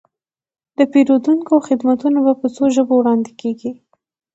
د پیرودونکو خدمتونه په څو ژبو وړاندې کیږي.